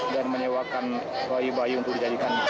dan menyewakan bayi bayi untuk dijadikan